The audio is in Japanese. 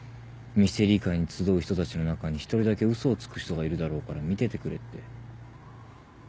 ミステリー会に集う人たちの中に１人だけ嘘をつく人がいるだろうから見ててくれって。